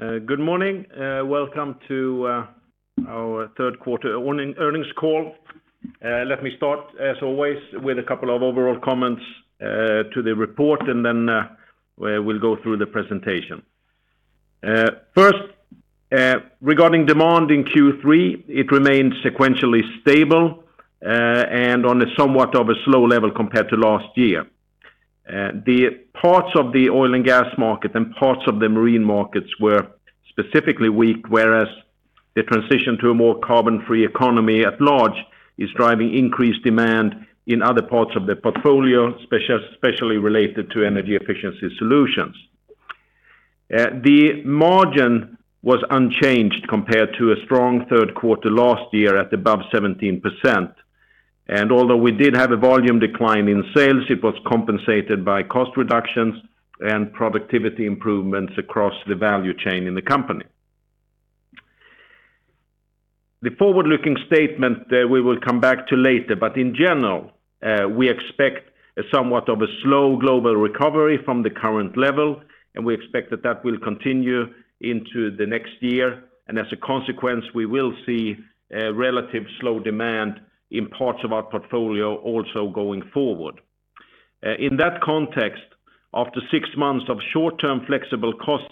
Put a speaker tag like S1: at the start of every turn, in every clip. S1: Good morning. Welcome to our Third Quarter Earnings Call. Let me start, as always, with a couple of overall comments to the report, and then we'll go through the presentation. First, regarding demand in Q3, it remained sequentially stable and on somewhat of a slow level compared to last year. The parts of the oil and gas market and parts of the marine markets were specifically weak, whereas the transition to a more carbon-free economy at large is driving increased demand in other parts of the portfolio, especially related to energy efficiency solutions. The margin was unchanged compared to a strong third quarter last year at above 17%. Although we did have a volume decline in sales, it was compensated by cost reductions and productivity improvements across the value chain in the company. The forward-looking statement, we will come back to later. In general, we expect somewhat of a slow global recovery from the current level. We expect that that will continue into the next year. As a consequence, we will see relative slow demand in parts of our portfolio also going forward. In that context, after 6 months of short-term flexible cost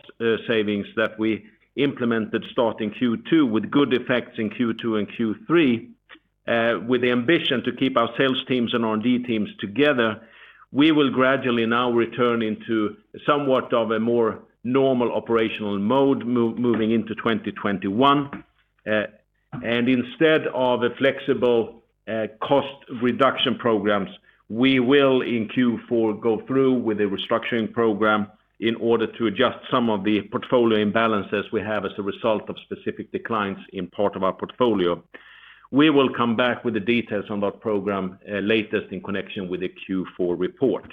S1: savings that we implemented starting Q2 with good effects in Q2 and Q3, with the ambition to keep our sales teams and R&D teams together, we will gradually now return into somewhat of a more normal operational mode moving into 2021. Instead of a flexible cost reduction programs, we will, in Q4, go through with a restructuring program in order to adjust some of the portfolio imbalances we have as a result of specific declines in part of our portfolio. We will come back with the details on that program latest in connection with the Q4 report.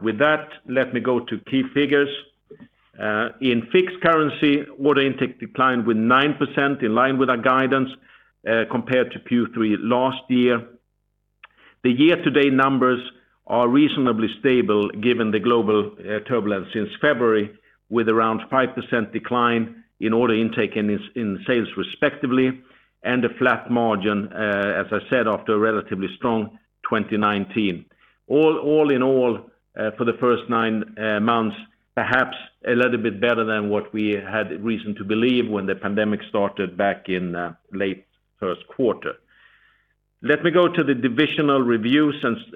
S1: With that, let me go to key figures. In fixed currency, order intake declined with 9%, in line with our guidance, compared to Q3 last year. The year-to-date numbers are reasonably stable given the global turbulence since February, with around 5% decline in order intake and sales respectively, and a flat margin, as I said, after a relatively strong 2019. All in all, for the first nine months, perhaps a little bit better than what we had reason to believe when the pandemic started back in late first quarter. Let me go to the divisional review,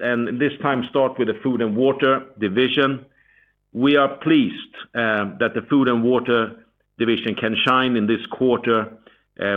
S1: and this time start with the Food & Water Division. We are pleased that the Food & Water Division can shine in this quarter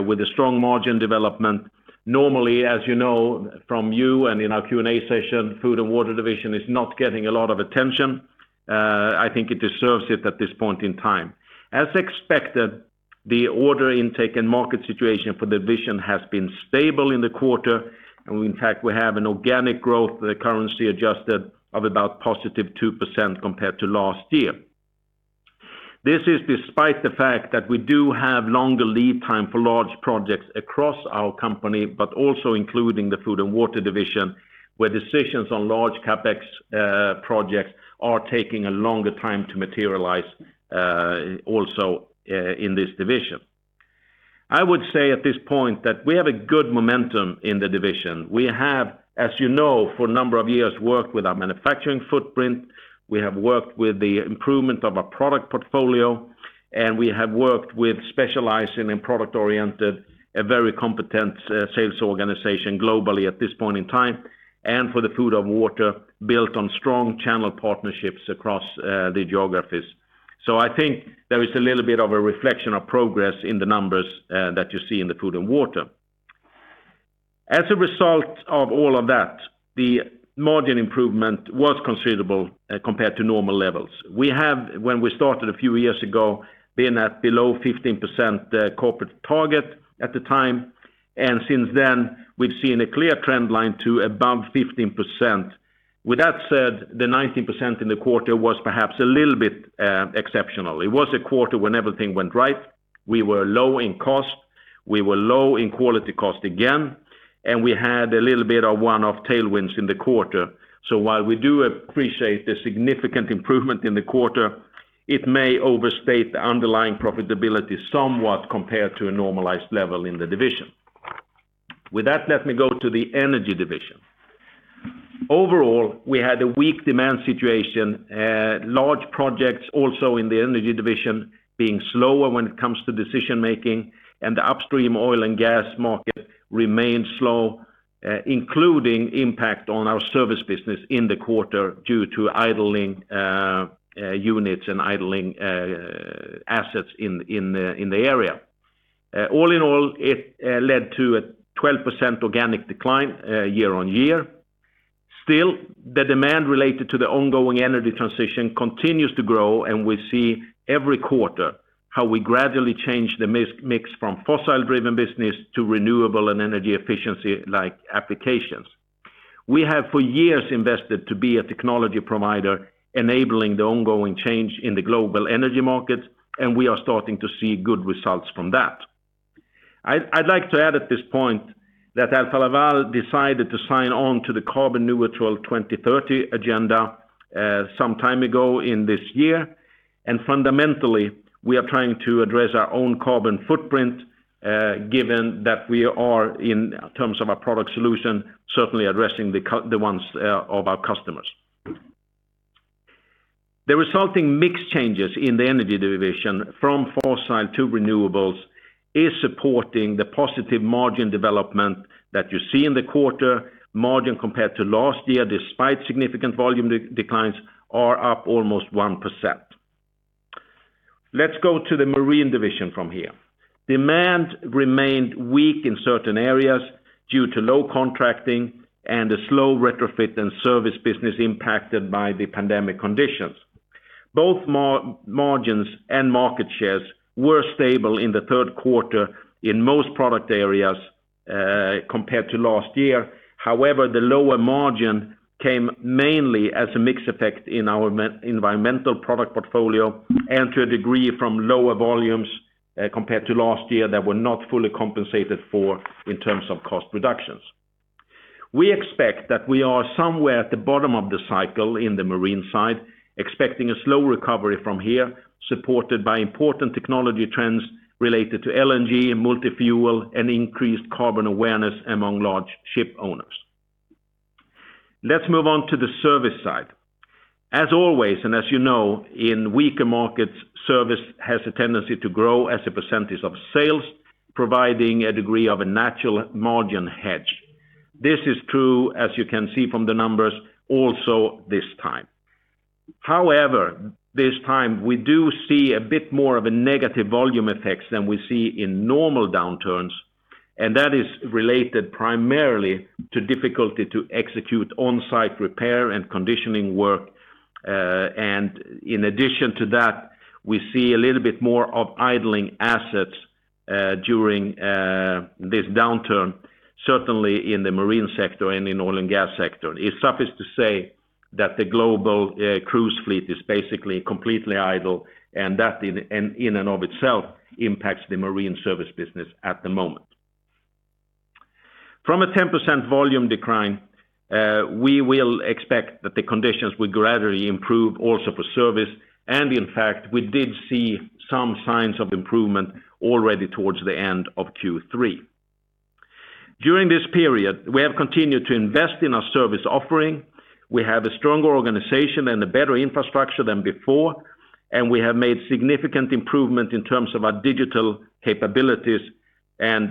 S1: with a strong margin development. Normally, as you know from you and in our Q&A session, Food & Water Division is not getting a lot of attention. I think it deserves it at this point in time. As expected, the order intake and market situation for the division has been stable in the quarter, in fact, we have an organic growth currency adjusted of about +2% compared to last year. This is despite the fact that we do have longer lead time for large projects across our company, also including the Food & Water Division, where decisions on large CapEx projects are taking a longer time to materialize also in this division. I would say at this point that we have a good momentum in the division. We have, as you know, for a number of years, worked with our manufacturing footprint. We have worked with the improvement of our product portfolio, and we have worked with specializing in product-oriented, a very competent sales organization globally at this point in time, and for the Food & Water Division, built on strong channel partnerships across the geographies. I think there is a little bit of a reflection of progress in the numbers that you see in the Food & Water Division. As a result of all of that, the margin improvement was considerable compared to normal levels. We have, when we started a few years ago, been at below 15% corporate target at the time, and since then, we've seen a clear trend line to above 15%. With that said, the 19% in the quarter was perhaps a little bit exceptional. It was a quarter when everything went right. We were low in cost, we were low in quality cost again, and we had a little bit of one-off tailwinds in the quarter. While we do appreciate the significant improvement in the quarter, it may overstate the underlying profitability somewhat compared to a normalized level in the Division. With that, let me go to the Energy Division. Overall, we had a weak demand situation, large projects also in the Energy Division being slower when it comes to decision-making, and the upstream oil and gas market remained slow, including impact on our service business in the quarter due to idling units and idling assets in the area. All in all, it led to a 12% organic decline year-on-year. Still, the demand related to the ongoing energy transition continues to grow, and we see every quarter how we gradually change the mix from fossil-driven business to renewable and energy efficiency-like applications. We have for years invested to be a technology provider enabling the ongoing change in the global energy markets, and we are starting to see good results from that. I'd like to add at this point that Alfa Laval decided to sign on to the Carbon neutral 2030 agenda some time ago in this year. Fundamentally, we are trying to address our own carbon footprint, given that we are, in terms of our product solution, certainly addressing the ones of our customers. The resulting mix changes in the Energy Division from fossil to renewables is supporting the positive margin development that you see in the quarter, margin compared to last year, despite significant volume declines, are up almost 1%. Let's go to the Marine Division from here. Demand remained weak in certain areas due to low contracting and a slow retrofit and service business impacted by the pandemic conditions. Both margins and market shares were stable in the third quarter in most product areas, compared to last year. The lower margin came mainly as a mix effect in our environmental product portfolio, and to a degree from lower volumes compared to last year that were not fully compensated for in terms of cost reductions. We expect that we are somewhere at the bottom of the cycle in the Marine side, expecting a slow recovery from here, supported by important technology trends related to LNG and multi-fuel and increased carbon awareness among large ship owners. Let's move on to the service side. As always, and as you know, in weaker markets, service has a tendency to grow as a percentage of sales, providing a degree of a natural margin hedge. This is true, as you can see from the numbers, also this time. This time we do see a bit more of a negative volume effects than we see in normal downturns, and that is related primarily to difficulty to execute on-site repair and conditioning work. In addition to that, we see a little bit more of idling assets during this downturn, certainly in the Marine sector and in oil and gas sector. It suffices to say that the global cruise fleet is basically completely idle, and that in and of itself impacts the marine service business at the moment. From a 10% volume decline, we will expect that the conditions will gradually improve also for service, and in fact, we did see some signs of improvement already towards the end of Q3. During this period, we have continued to invest in our service offering. We have a stronger organization and a better infrastructure than before, and we have made significant improvement in terms of our digital capabilities and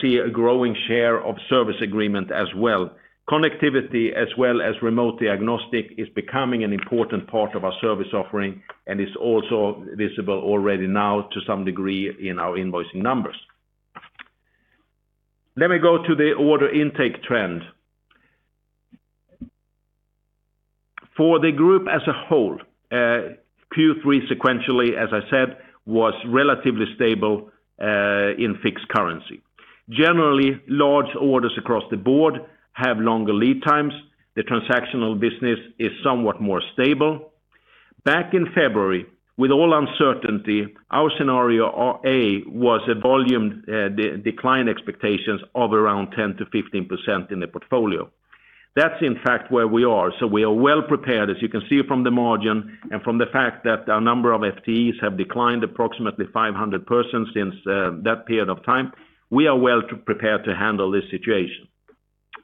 S1: see a growing share of service agreement as well. Connectivity as well as remote diagnostics is becoming an important part of our service offering and is also visible already now to some degree in our invoicing numbers. Let me go to the order intake trend. For the group as a whole, Q3 sequentially, as I said, was relatively stable in fixed currency. Generally, large orders across the board have longer lead times. The transactional business is somewhat more stable. Back in February, with all uncertainty, our scenario A was a volume decline expectations of around 10%-15% in the portfolio. That's in fact where we are, so we are well prepared, as you can see from the margin and from the fact that our number of FTEs have declined approximately 500 persons since that period of time. We are well prepared to handle this situation.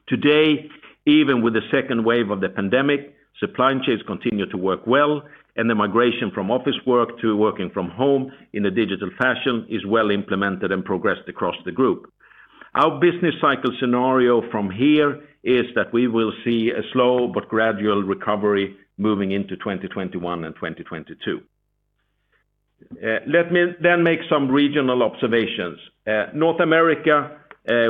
S1: Today, even with the second wave of the pandemic, supply chains continue to work well, and the migration from office work to working from home in a digital fashion is well implemented and progressed across the group. Our business cycle scenario from here is that we will see a slow but gradual recovery moving into 2021 and 2022. Let me make some regional observations. North America,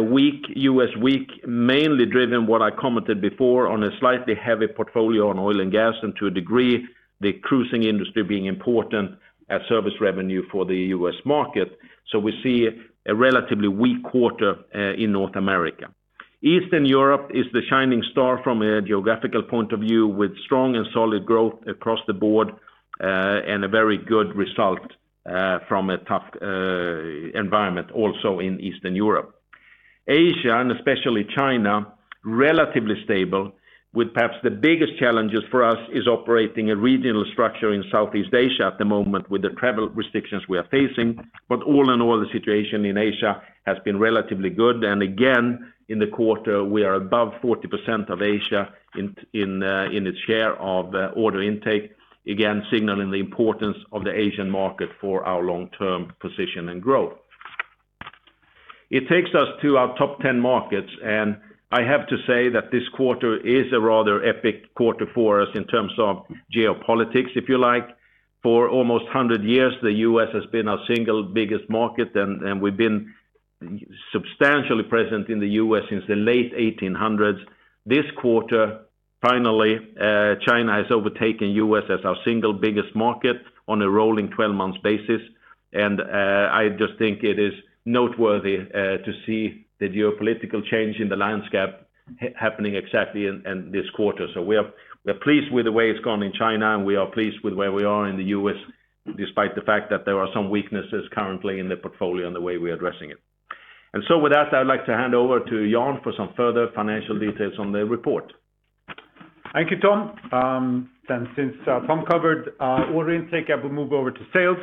S1: weak. U.S., weak, mainly driven, what I commented before, on a slightly heavy portfolio on oil and gas, and to a degree, the cruising industry being important as service revenue for the U.S. market. We see a relatively weak quarter in North America. Eastern Europe is the shining star from a geographical point of view, with strong and solid growth across the board, and a very good result from a tough environment, also in Eastern Europe. Asia, especially China, relatively stable with perhaps the biggest challenges for us is operating a regional structure in Southeast Asia at the moment with the travel restrictions we are facing. All in all, the situation in Asia has been relatively good. Again, in the quarter, we are above 40% of Asia in its share of order intake, again, signaling the importance of the Asian market for our long-term position and growth. It takes us to our top 10 markets. I have to say that this quarter is a rather epic quarter for us in terms of geopolitics, if you like. For almost 100 years, the U.S. has been our single biggest market, and we've been substantially present in the U.S. since the late 1800s. This quarter, finally, China has overtaken U.S. as our single biggest market on a rolling 12 months basis. I just think it is noteworthy to see the geopolitical change in the landscape happening exactly in this quarter. We are pleased with the way it's gone in China, and we are pleased with where we are in the U.S., despite the fact that there are some weaknesses currently in the portfolio and the way we are addressing it. With that, I'd like to hand over to Jan for some further financial details on the report.
S2: Thank you, Tom. Since Tom covered our order intake, I will move over to sales.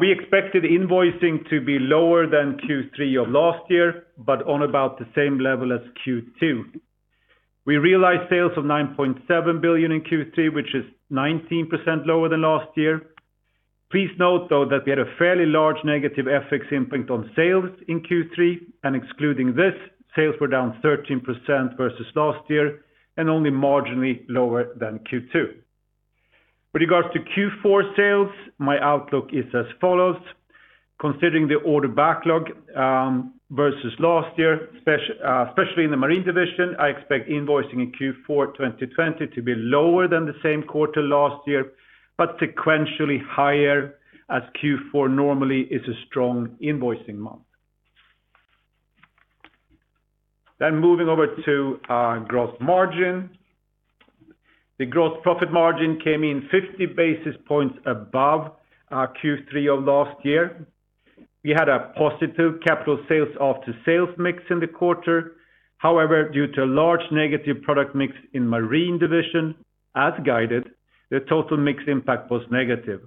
S2: We expected invoicing to be lower than Q3 of last year, but on about the same level as Q2. We realized sales of 9.7 billion in Q3, which is 19% lower than last year. Please note, though, that we had a fairly large negative FX impact on sales in Q3, and excluding this, sales were down 13% versus last year, and only marginally lower than Q2. With regards to Q4 sales, my outlook is as follows. Considering the order backlog versus last year, especially in the Marine Division, I expect invoicing in Q4 2020 to be lower than the same quarter last year, but sequentially higher as Q4 normally is a strong invoicing month. Moving over to our gross margin. The gross profit margin came in 50 basis points above our Q3 of last year. We had a positive capital sales aftersales mix in the quarter. Due to a large negative product mix in Marine Division, as guided, the total mix impact was negative.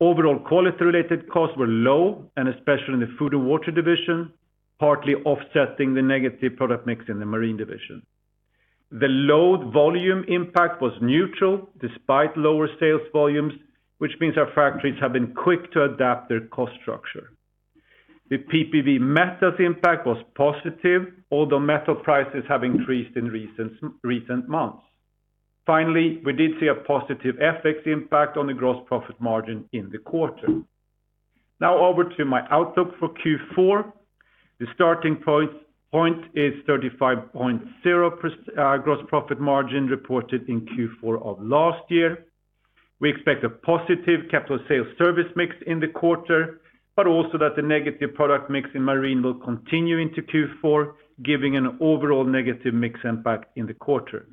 S2: Overall quality-related costs were low, and especially in the Food & Water Division, partly offsetting the negative product mix in the Marine Division. The load volume impact was neutral, despite lower sales volumes, which means our factories have been quick to adapt their cost structure. The PPV metals impact was positive, although metal prices have increased in recent months. Finally, we did see a positive FX impact on the gross profit margin in the quarter. Now over to my outlook for Q4. The starting point is 35.0% gross profit margin reported in Q4 of last year. We expect a positive capital sales service mix in the quarter, but also that the negative product mix in Marine will continue into Q4, giving an overall negative mix impact in the quarter.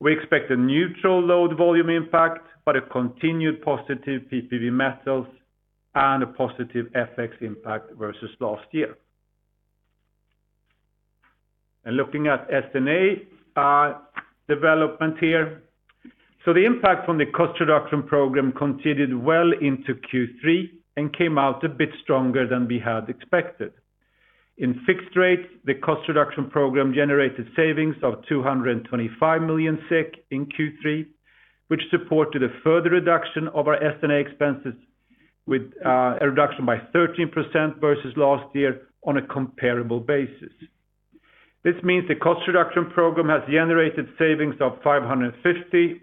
S2: We expect a neutral load volume impact, but a continued positive PPV metals and a positive FX impact versus last year. Looking at S&A development here. The impact from the cost reduction program continued well into Q3 and came out a bit stronger than we had expected. In fixed rates, the cost reduction program generated savings of 225 million in Q3, which supported a further reduction of our S&A expenses with a reduction by 13% versus last year on a comparable basis. This means the cost reduction program has generated savings of 550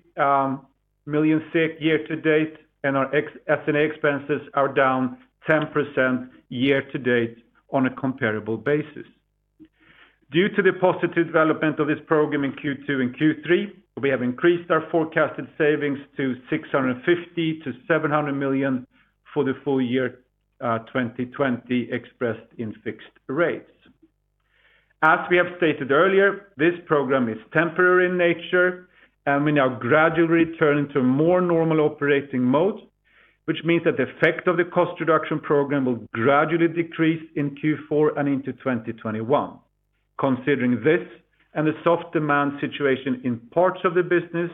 S2: million SEK year to date, and our S&A expenses are down 10% year to date on a comparable basis. Due to the positive development of this program in Q2 and Q3, we have increased our forecasted savings to 650 million-700 million for the full year 2020 expressed in fixed rates. As we have stated earlier, this program is temporary in nature, we now gradually turn into a more normal operating mode, which means that the effect of the cost reduction program will gradually decrease in Q4 and into 2021. Considering this and the soft demand situation in parts of the business,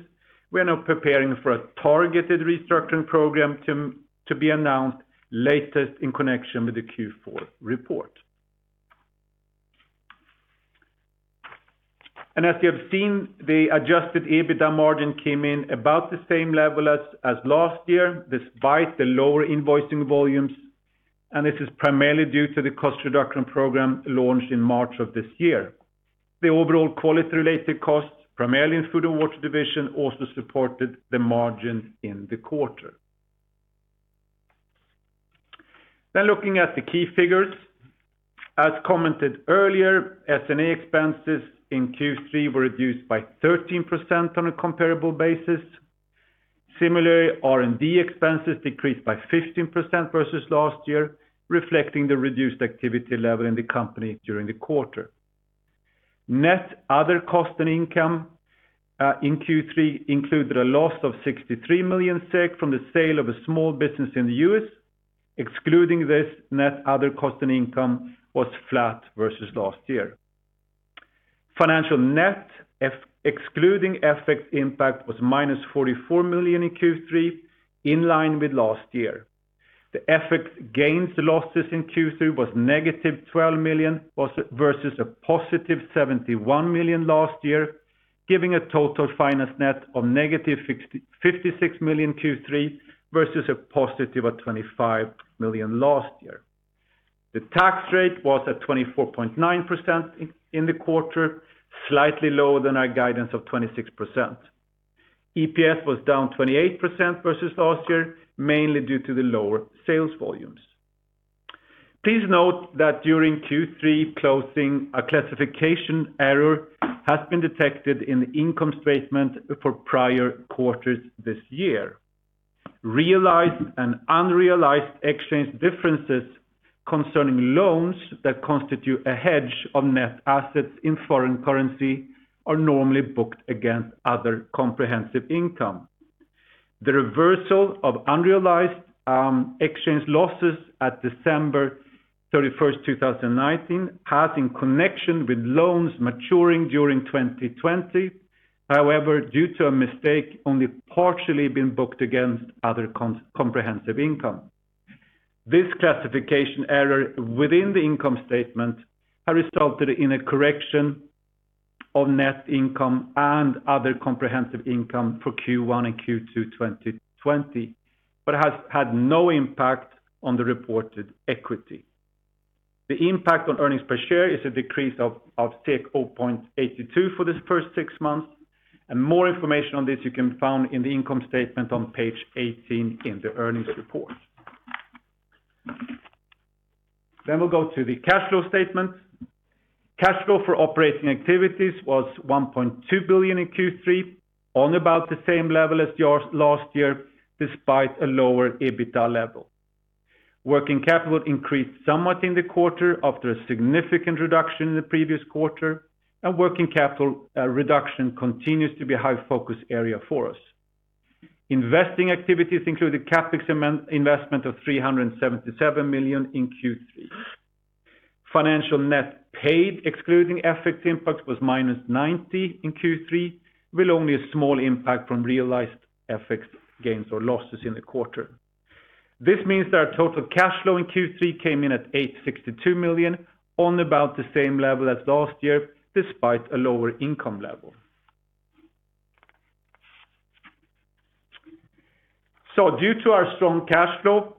S2: we are now preparing for a targeted restructuring program to be announced latest in connection with the Q4 report. As you have seen, the adjusted EBITDA margin came in about the same level as last year, despite the lower invoicing volumes, this is primarily due to the cost reduction program launched in March of this year. The overall quality-related costs, primarily in Food & Water Division, also supported the margin in the quarter. Looking at the key figures. As commented earlier, S&A expenses in Q3 were reduced by 13% on a comparable basis. Similarly, R&D expenses decreased by 15% versus last year, reflecting the reduced activity level in the company during the quarter. Net other cost and income in Q3 included a loss of 63 million SEK from the sale of a small business in the U.S. Excluding this, net other cost and income was flat versus last year. Financial net, excluding FX impact, was -44 million in Q3, in line with last year. The FX gains losses in Q3 was -12 million versus a +71 million last year, giving a total finance net of -56 million Q3 versus a +25 million last year. The tax rate was at 24.9% in the quarter, slightly lower than our guidance of 26%. EPS was down 28% versus last year, mainly due to the lower sales volumes. Please note that during Q3 closing, a classification error has been detected in the income statement for prior quarters this year. Realized and unrealized exchange differences concerning loans that constitute a hedge of net assets in foreign currency are normally booked against other comprehensive income. The reversal of unrealized exchange losses at December 31st, 2019, has, in connection with loans maturing during 2020, however, due to a mistake, only partially been booked against other comprehensive income. This classification error within the income statement has resulted in a correction of net income and other comprehensive income for Q1 and Q2 2020, but has had no impact on the reported equity. The impact on earnings per share is a decrease of 0.82 for this first six months. More information on this you can find in the income statement on page 18 in the earnings report. We'll go to the cash flow statement. Cash flow for operating activities was 1.2 billion in Q3, on about the same level as last year, despite a lower EBITDA level. Working capital increased somewhat in the quarter after a significant reduction in the previous quarter, and working capital reduction continues to be a high-focus area for us. Investing activities included CapEx investment of 377 million in Q3. Financial net paid, excluding FX impact, was -90 in Q3, with only a small impact from realized FX gains or losses in the quarter. This means that our total cash flow in Q3 came in at 862 million, on about the same level as last year, despite a lower income level. Due to our strong cash flow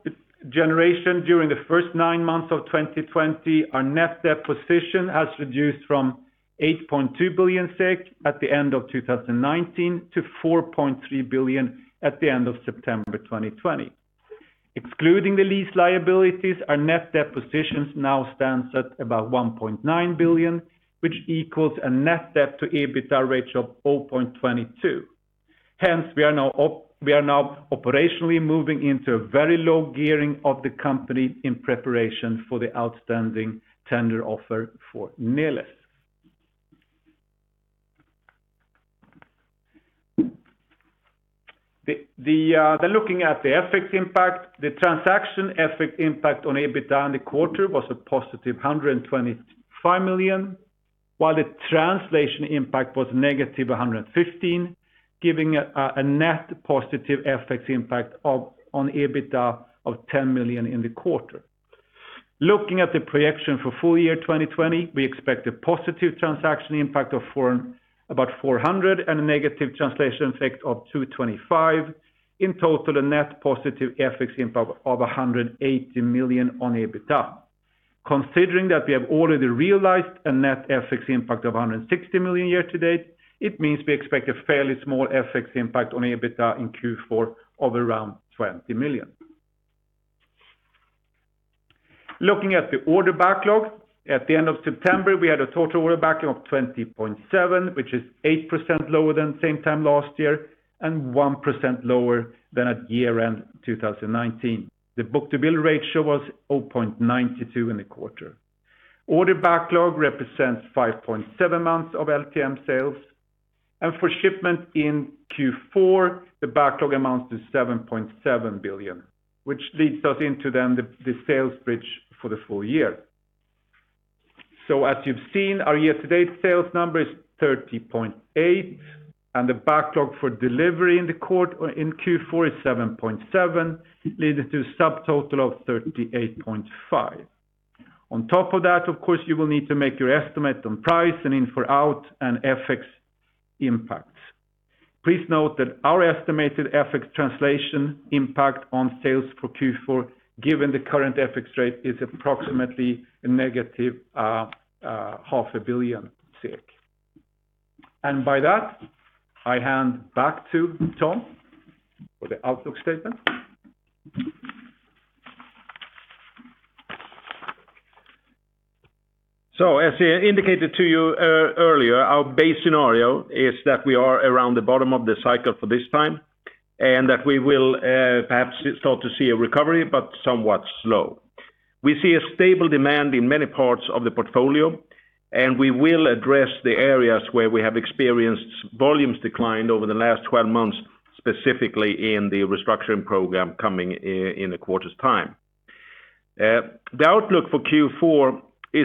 S2: generation during the first nine months of 2020, our net debt position has reduced from 8.2 billion SEK at the end of 2019 to 4.3 billion at the end of September 2020. Excluding the lease liabilities, our net debt positions now stands at about 1.9 billion, which equals a net debt to EBITDA ratio of 0.22. Hence, we are now operationally moving into a very low gearing of the company in preparation for the outstanding tender offer for Neles. Looking at the FX impact, the transaction FX impact on EBITDA in the quarter was a +125 million, while the translation impact was -115 million, giving a net positive FX impact on EBITDA of 10 million in the quarter. Looking at the projection for full year 2020, we expect a positive transaction impact of about 400 million and a negative translation effect of 225 million. In total, a net positive FX impact of 180 million on EBITDA. Considering that we have already realized a net FX impact of 160 million year to date, it means we expect a fairly small FX impact on EBITDA in Q4 of around 20 million. Looking at the order backlog. At the end of September, we had a total order backlog of 20.7 billion, which is 8% lower than same time last year and 1% lower than at year-end 2019. The book-to-bill ratio was 0.92 in the quarter. Order backlog represents 5.7 months of LTM sales. For shipment in Q4, the backlog amounts to 7.7 billion, which leads us into then the sales bridge for the full year. As you've seen, our year-to-date sales number is 30.8, and the backlog for delivery in Q4 is 7.7, leading to a subtotal of 38.5. On top of that, of course, you will need to make your estimate on price and in-for-out and FX impacts. Please note that our estimated FX translation impact on sales for Q4, given the current FX rate, is approximately a -500 million. By that, I hand back to Tom for the outlook statement.
S1: As indicated to you earlier, our base scenario is that we are around the bottom of the cycle for this time, and that we will perhaps start to see a recovery, but somewhat slow. We see a stable demand in many parts of the portfolio, and we will address the areas where we have experienced volumes decline over the last 12 months, specifically in the restructuring program coming in a quarter's time. The outlook for Q4 is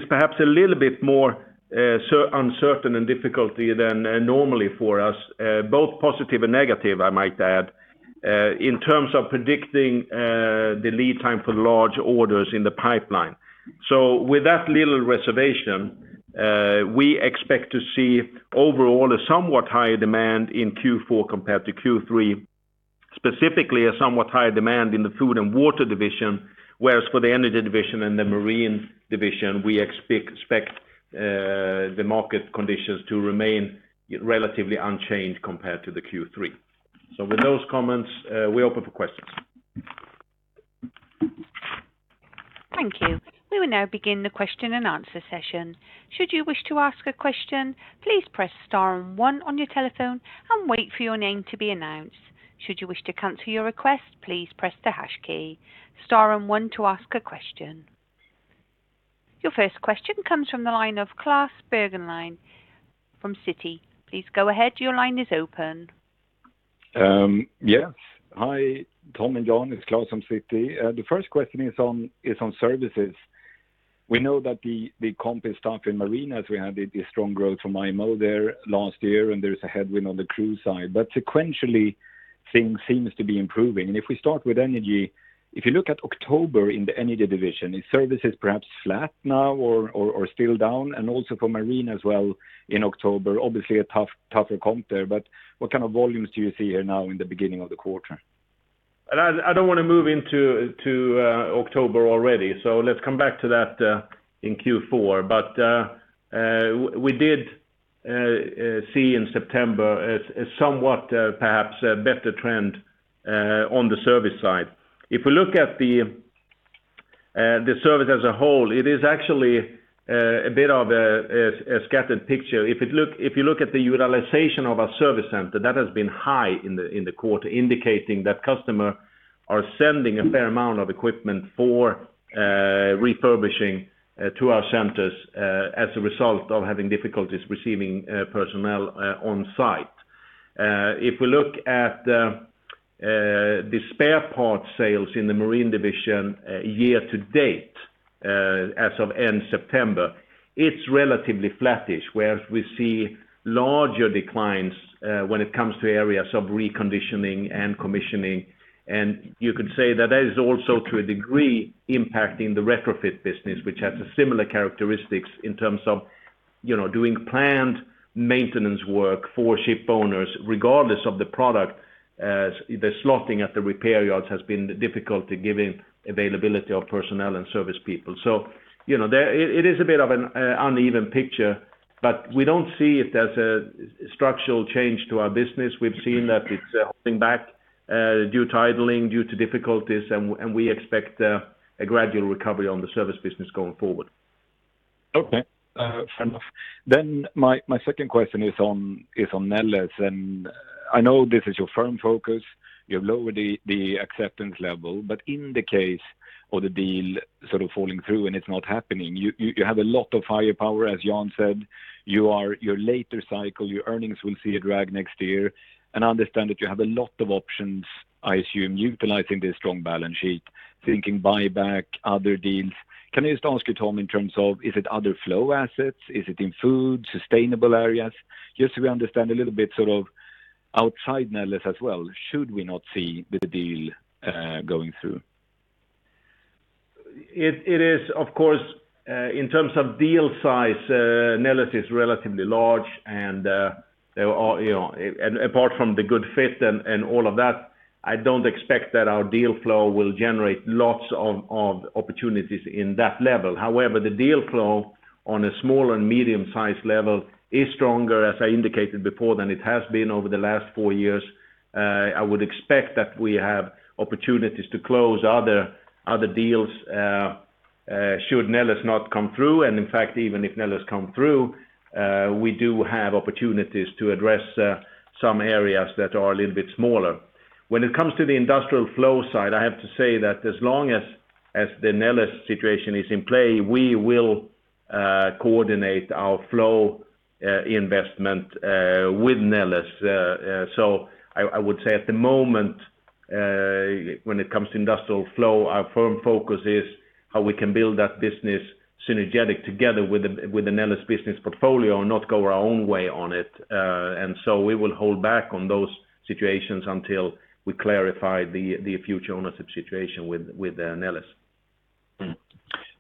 S1: perhaps a little bit more uncertain and difficult than normally for us, both positive and negative, I might add, in terms of predicting the lead time for large orders in the pipeline. With that little reservation, we expect to see overall a somewhat higher demand in Q4 compared to Q3, specifically a somewhat higher demand in the Food & Water Division, whereas for the Energy Division and the Marine Division, we expect the market conditions to remain relatively unchanged compared to the Q3. With those comments, we open for questions.
S3: Thank you. We will now begin the question-and-answer session. Should you wish to ask a question, please press star one on your telephone and wait for your name to be announced. Should you wish to cancel your request please press the hash key. Star and one to a question. Your first question comes from the line of Klas Bergelind from Citi. Please go ahead. Your line is open.
S4: Yes. Hi, Tom and Jan, it's Klas from Citi. The first question is on services. We know that the comp is tough in Marine, as we had a strong growth from IMO there last year, and there's a headwind on the crew side, but sequentially, things seems to be improving. If we start with Energy, if you look at October in the Energy Division, is services perhaps flat now or still down? Also from Marine as well in October, obviously a tougher comp there, but what kind of volumes do you see here now in the beginning of the quarter?
S1: I don't want to move into October already. Let's come back to that in Q4. We did see in September a somewhat perhaps better trend on the service side. If we look at the service as a whole, it is actually a bit of a scattered picture. If you look at the utilization of our service center, that has been high in the quarter, indicating that customers are sending a fair amount of equipment for refurbishing to our centers as a result of having difficulties receiving personnel on site. If we look at the spare parts sales in the Marine Division year to date as of end September, it's relatively flattish, whereas we see larger declines when it comes to areas of reconditioning and commissioning. You could say that that is also to a degree impacting the retrofit business, which has a similar characteristics in terms of doing planned maintenance work for ship owners, regardless of the product, as the slotting at the repair yards has been difficult given availability of personnel and service people. It is a bit of an uneven picture, but we don't see it as a structural change to our business. We've seen that it's holding back due to idling, due to difficulties, and we expect a gradual recovery on the service business going forward.
S4: Okay. Fair enough. My second question is on Neles, and I know this is your firm focus. You've lowered the acceptance level, in the case of the deal sort of falling through and it's not happening, you have a lot of firepower, as Jan said. You're later cycle, your earnings will see a drag next year. I understand that you have a lot of options, I assume, utilizing this strong balance sheet, thinking buyback, other deals. Can I just ask you, Tom, in terms of, is it other flow assets? Is it in food, sustainable areas? Just so we understand a little bit sort of outside Neles as well, should we not see the deal going through.
S1: It is, of course, in terms of deal size, Neles is relatively large and apart from the good fit and all of that, I don't expect that our deal flow will generate lots of opportunities in that level. However, the deal flow on a small and medium-sized level is stronger, as I indicated before, than it has been over the last four years. I would expect that we have opportunities to close other deals should Neles not come through, and in fact, even if Neles come through, we do have opportunities to address some areas that are a little bit smaller. When it comes to the industrial flow side, I have to say that as long as the Neles situation is in play, we will coordinate our flow investment with Neles. I would say at the moment, when it comes to industrial flow, our firm focus is how we can build that business synergetic together with the Neles business portfolio and not go our own way on it. We will hold back on those situations until we clarify the future ownership situation with Neles.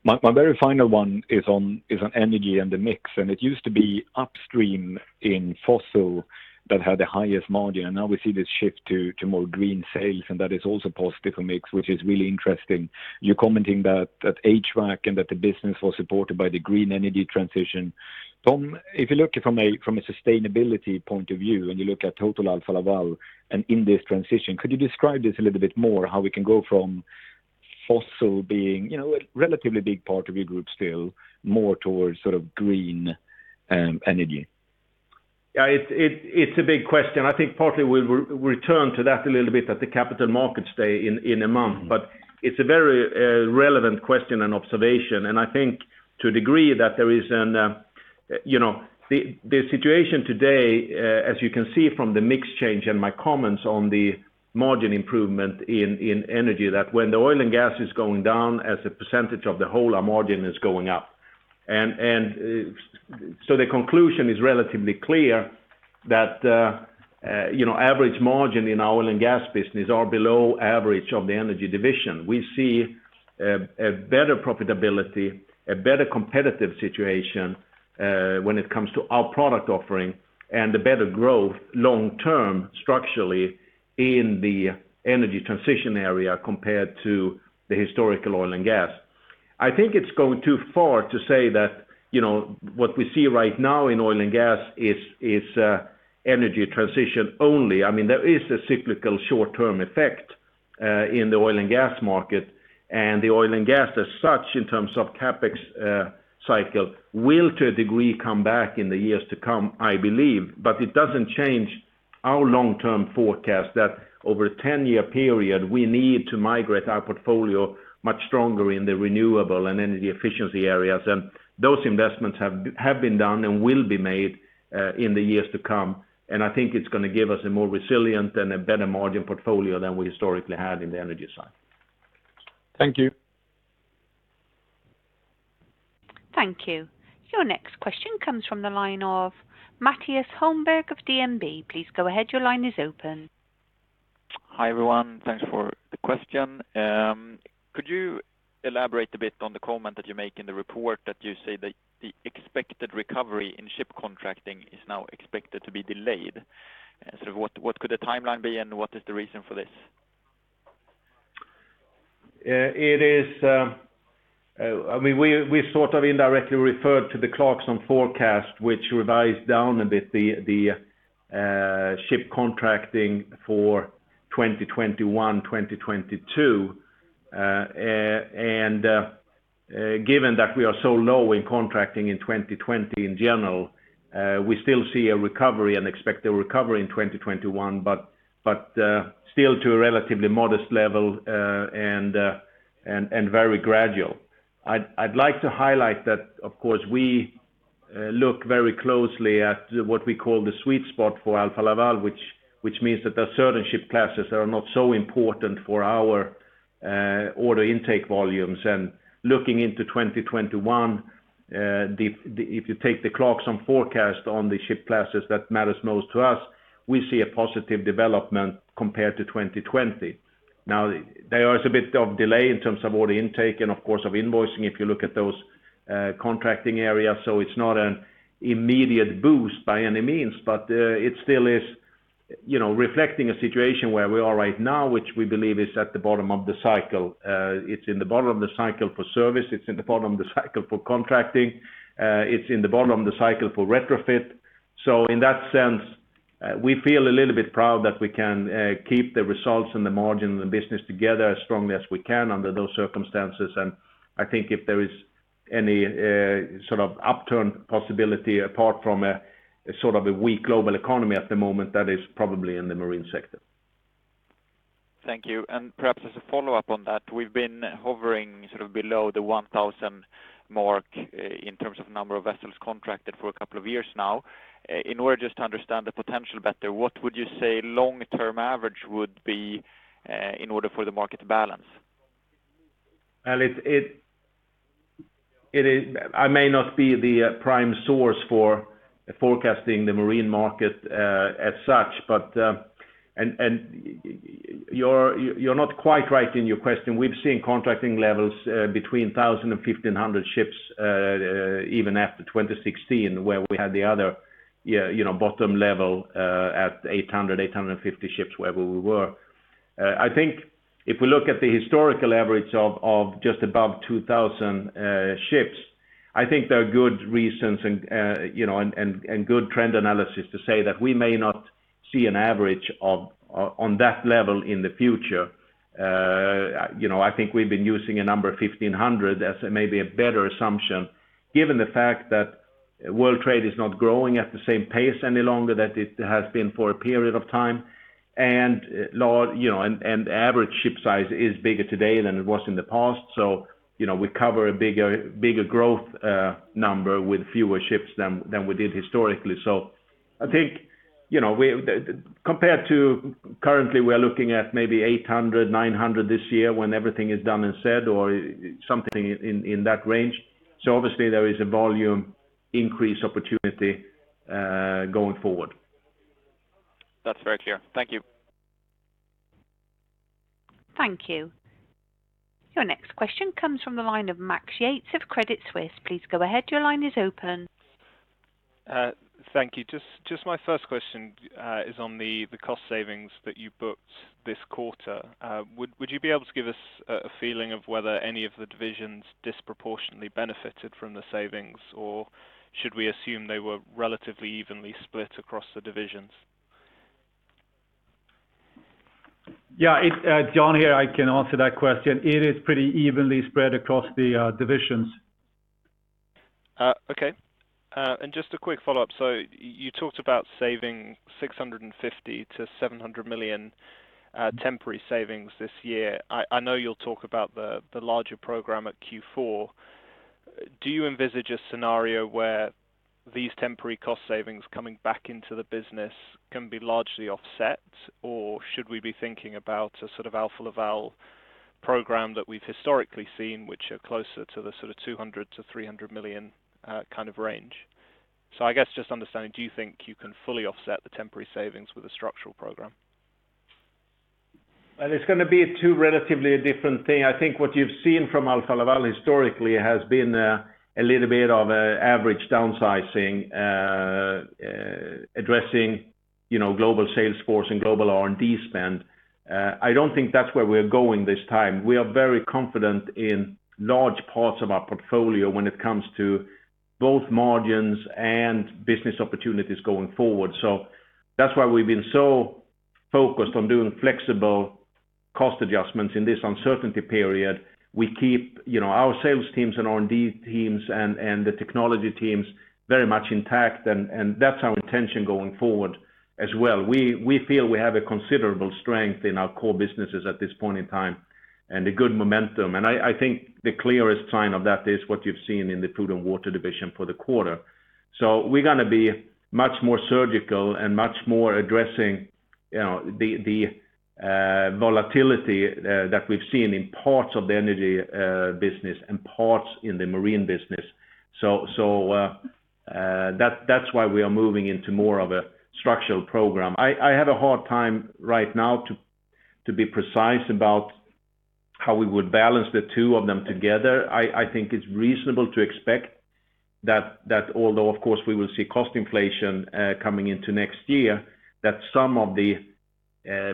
S4: My very final one is on Energy and the mix. It used to be upstream in fossil that had the highest margin. Now we see this shift to more green sales. That is also positive for mix, which is really interesting. You're commenting that HVAC and that the business was supported by the green energy transition. Tom, if you look from a sustainability point of view, you look at total Alfa Laval in this transition, could you describe this a little bit more, how we can go from fossil being a relatively big part of your group still, more towards sort of green energy?
S1: It's a big question. I think partly we'll return to that a little bit at the Capital Markets Day in a month, but it's a very relevant question and observation, and I think to a degree that there is the situation today, as you can see from the mix change and my comments on the margin improvement in Energy, that when the oil and gas is going down as a percentage of the whole, our margin is going up. The conclusion is relatively clear that average margin in our oil and gas business are below average of the Energy Division. We see a better profitability, a better competitive situation when it comes to our product offering, and a better growth long-term structurally in the energy transition area compared to the historical oil and gas. I think it's going too far to say that what we see right now in oil and gas is Energy transition only. There is a cyclical short-term effect in the oil and gas market, and the oil and gas as such, in terms of CapEx cycle, will, to a degree, come back in the years to come, I believe. It doesn't change our long-term forecast that over a 10-year period, we need to migrate our portfolio much stronger in the renewable and energy efficiency areas. Those investments have been done and will be made in the years to come. I think it's going to give us a more resilient and a better margin portfolio than we historically had in the Energy side.
S4: Thank you.
S3: Thank you. Your next question comes from the line of Mattias Holmberg of DNB. Please go ahead. Your line is open.
S5: Hi, everyone. Thanks for the question. Could you elaborate a bit on the comment that you make in the report that you say that the expected recovery in ship contracting is now expected to be delayed? What could the timeline be, and what is the reason for this?
S1: We sort of indirectly referred to the Clarksons forecast, which revised down a bit the ship contracting for 2021, 2022. Given that we are so low in contracting in 2020 in general, we still see a recovery and expect a recovery in 2021, but still to a relatively modest level and very gradual. I'd like to highlight that, of course, we look very closely at what we call the sweet spot for Alfa Laval, which means that there are certain ship classes that are not so important for our order intake volumes. Looking into 2021, if you take the Clarksons forecast on the ship classes that matters most to us, we see a positive development compared to 2020. Now, there is a bit of delay in terms of order intake and, of course, of invoicing, if you look at those contracting areas. It's not an immediate boost by any means, but it still is reflecting a situation where we are right now, which we believe is at the bottom of the cycle. It's in the bottom of the cycle for service, it's in the bottom of the cycle for contracting, it's in the bottom of the cycle for retrofit. In that sense, we feel a little bit proud that we can keep the results and the margin and the business together as strongly as we can under those circumstances. I think if there is any sort of upturn possibility, apart from a sort of a weak global economy at the moment, that is probably in the marine sector.
S5: Thank you. Perhaps as a follow-up on that, we've been hovering below the 1,000 mark in terms of number of vessels contracted for a couple of years now. In order just to understand the potential better, what would you say long-term average would be in order for the market to balance?
S1: I may not be the prime source for forecasting the marine market as such, but you're not quite right in your question. We've seen contracting levels between 1,000 and 1,500 ships, even after 2016, where we had the other bottom level at 800, 850 ships, wherever we were. I think if we look at the historical average of just above 2,000 ships, I think there are good reasons and good trend analysis to say that we may not see an average on that level in the future. I think we've been using a number 1,500 as maybe a better assumption, given the fact that world trade is not growing at the same pace any longer that it has been for a period of time. The average ship size is bigger today than it was in the past. We cover a bigger growth number with fewer ships than we did historically. I think, compared to currently, we are looking at maybe 800-900 this year when everything is done and said, or something in that range. Obviously, there is a volume increase opportunity going forward.
S5: That's very clear. Thank you.
S3: Thank you. Your next question comes from the line of Max Yates of Credit Suisse. Please go ahead.
S6: Thank you. Just my first question is on the cost savings that you booked this quarter. Would you be able to give us a feeling of whether any of the divisions disproportionately benefited from the savings, or should we assume they were relatively evenly split across the divisions?
S2: Yeah. Jan here, I can answer that question. It is pretty evenly spread across the divisions.
S6: Okay. Just a quick follow-up. You talked about saving 650 million-700 million temporary savings this year. I know you'll talk about the larger program at Q4. Do you envisage a scenario where these temporary cost savings coming back into the business can be largely offset, or should we be thinking about a sort of Alfa Laval program that we've historically seen, which are closer to the sort of 200 million-300 million kind of range? I guess just understanding, do you think you can fully offset the temporary savings with a structural program?
S1: It's going to be two relatively different thing. I think what you've seen from Alfa Laval historically has been a little bit of a average downsizing, addressing global sales force and global R&D spend. I don't think that's where we're going this time. We are very confident in large parts of our portfolio when it comes to both margins and business opportunities going forward. That's why we've been so focused on doing flexible cost adjustments in this uncertainty period. We keep our sales teams and R&D teams and the technology teams very much intact, and that's our intention going forward as well. We feel we have a considerable strength in our core businesses at this point in time, and a good momentum. I think the clearest sign of that is what you've seen in the Food & Water Division for the quarter. We're going to be much more surgical and much more addressing the volatility that we've seen in parts of the Energy business and parts in the Marine business. That's why we are moving into more of a structural program. I have a hard time right now to be precise about how we would balance the two of them together. I think it's reasonable to expect that although, of course, we will see cost inflation coming into next year, that some of the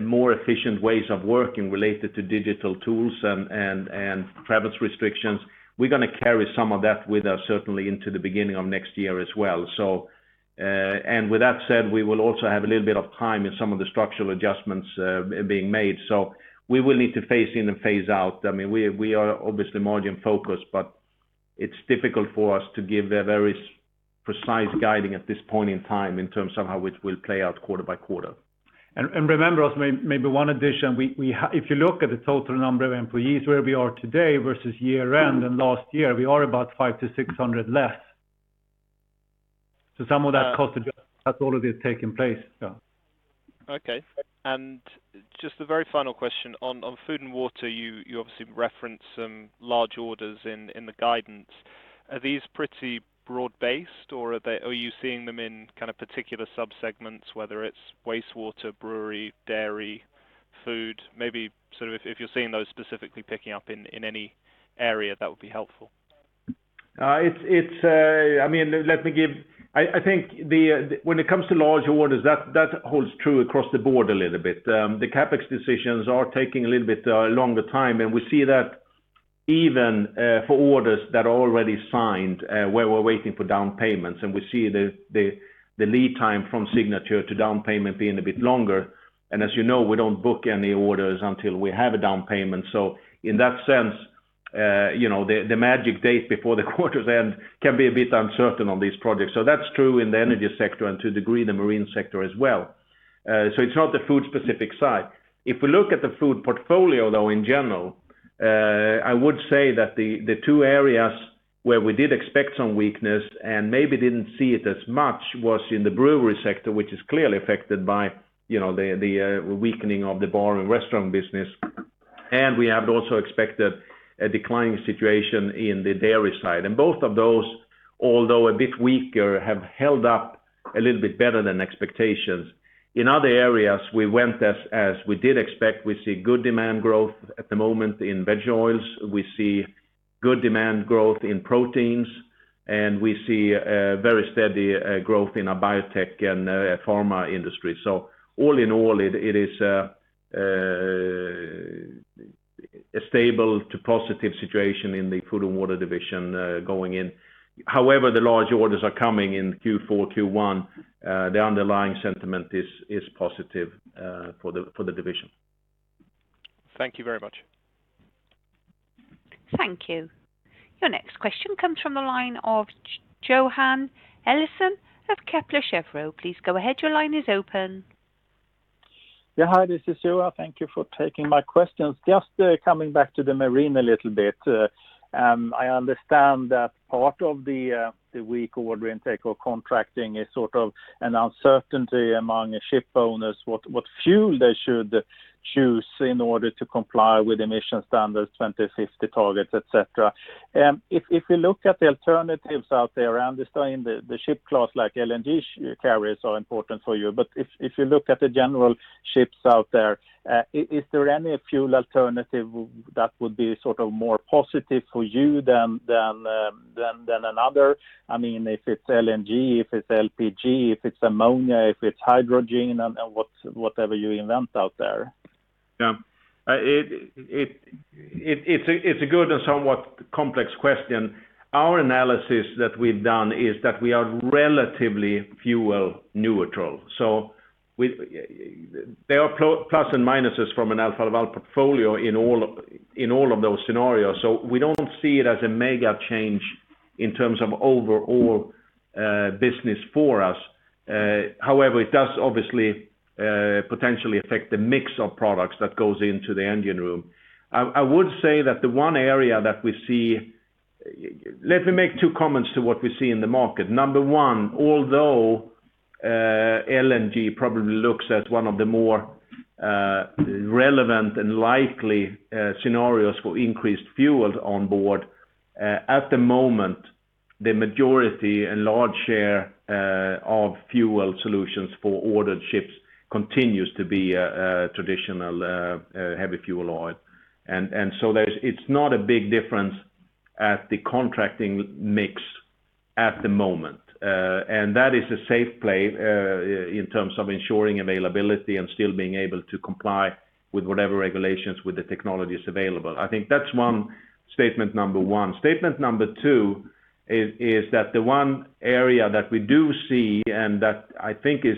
S1: more efficient ways of working related to digital tools and travel restrictions, we're going to carry some of that with us, certainly into the beginning of next year as well. With that said, we will also have a little bit of time in some of the structural adjustments being made. We will need to phase in and phase out. We are obviously margin-focused, but it's difficult for us to give a very precise guiding at this point in time in terms of how it will play out quarter by quarter. Remember also, maybe one addition, if you look at the total number of employees, where we are today versus year-end and last year, we are about 500-600 less. Some of that cost adjustment has already taken place. Yeah.
S6: Okay. Just a very final question. On food and water, you obviously reference some large orders in the guidance. Are these pretty broad-based, or are you seeing them in kind of particular sub-segments, whether it's wastewater, brewery, dairy, food? Maybe if you're seeing those specifically picking up in any area, that would be helpful.
S1: I think when it comes to large orders, that holds true across the board a little bit. The CapEx decisions are taking a little bit longer time. We see that even for orders that are already signed, where we're waiting for down payments, and we see the lead time from signature to down payment being a bit longer. As you know, we don't book any orders until we have a down payment. In that sense, the magic date before the quarter end can be a bit uncertain on these projects. That's true in the energy sector and to a degree, the marine sector as well. It's not the food specific side. If we look at the food portfolio, though, in general, I would say that the two areas where we did expect some weakness and maybe didn't see it as much was in the brewery sector, which is clearly affected by the weakening of the bar and restaurant business. We have also expected a declining situation in the dairy side. Both of those, although a bit weaker, have held up a little bit better than expectations. In other areas, we went as we did expect. We see good demand growth at the moment in veg oils. We see good demand growth in proteins, and we see very steady growth in our biotech and pharma industry. All in all, it is a stable to positive situation in the Food & Water Division going in. However, the large orders are coming in Q4, Q1. The underlying sentiment is positive for the division.
S6: Thank you very much.
S3: Thank you. Your next question comes from the line of Johan Eliason of Kepler Cheuvreux. Please go ahead.
S7: Hi, this is Johan. Thank you for taking my questions. Coming back to the Marine a little bit. I understand that part of the weak order intake or contracting is sort of an uncertainty among ship owners, what fuel they should choose in order to comply with emission standards, 2050 targets, et cetera. If we look at the alternatives out there, I understand the ship class like LNG carriers are important for you, if you look at the general ships out there, is there any fuel alternative that would be more positive for you than another? If it's LNG, if it's LPG, if it's ammonia, if it's hydrogen, whatever you invent out there.
S1: Yeah. It's a good and somewhat complex question. Our analysis that we've done is that we are relatively fuel neutral. There are plus and minuses from an Alfa Laval portfolio in all of those scenarios. We don't see it as a mega change in terms of overall business for us. However, it does obviously potentially affect the mix of products that goes into the engine room. Let me make two comments to what we see in the market. Number one, although LNG probably looks at one of the more relevant and likely scenarios for increased fuels on board, at the moment, the majority and large share of fuel solutions for ordered ships continues to be a traditional heavy fuel oil. It's not a big difference at the contracting mix at the moment. That is a safe play in terms of ensuring availability and still being able to comply with whatever regulations with the technologies available. I think that is statement number one. Statement number two is that the one area that we do see, and that I think is